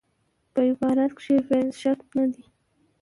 په عبارت کښي فعل شرط نه دئ.